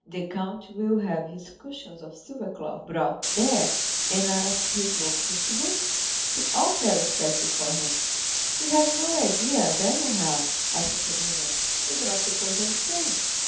The count will have his cushions of silver cloth brought there, and as he smokes his chibouque, see all Paris pass before him." "You have no idea, then, Morrel?" asked Château Renaud; "you do not propose anything."